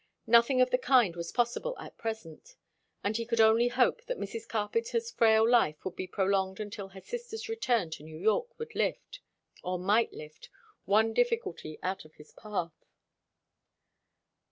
Nothing of the kind was possible at present; and he could only hope that Mrs. Carpenter's frail life would be prolonged until her sister's return to New York would lift, or might lift, one difficulty out of his path.